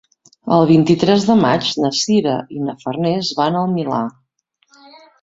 El vint-i-tres de maig na Sira i na Farners van al Milà.